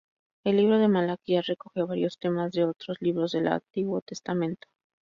El libro de Malaquías recoge varios temas de otros libros del Antiguo Testamento.